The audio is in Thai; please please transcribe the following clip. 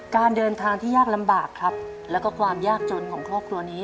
การเดินทางที่ยากลำบากครับแล้วก็ความยากจนของครอบครัวนี้